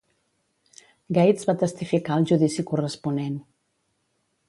Gates va testificar al judici corresponent.